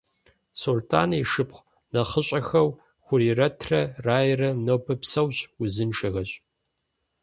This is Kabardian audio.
Сулътӏан и шыпхъу нэхъыщӏэхэу Хурирэтрэ Раерэ нобэ псэущ, узыншэхэщ.